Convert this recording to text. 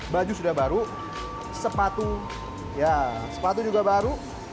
baju sudah baru sepatu ya sepatu juga baru